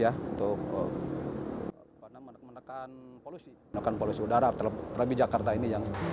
untuk menekan polusi udara terlebih jakarta ini